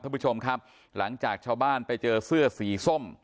ท่านผู้ชมครับหลังจากชาวบ้านไปเจอเสื้อสีส้ม